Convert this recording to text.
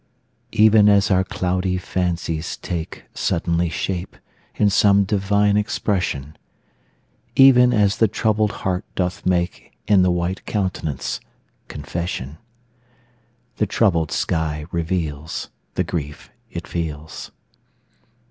Even as our cloudy fancies take Suddenly shape in some divine expression, Even as the troubled heart doth make In the white countenance confession, The troubled sky reveals The grief it feels.